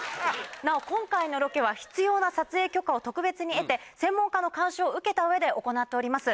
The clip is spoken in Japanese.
なお今回のロケは必要な撮影許可を特別に得て専門家の監修を受けた上で行っております。